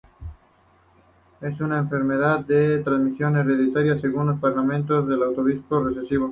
Es una enfermedad de transmisión hereditaria según un patrón autosómico recesivo.